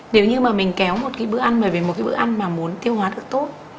nếu như mà mình kéo một cái bữa ăn bởi vì một cái bữa ăn mà muốn tiêu hóa được tốt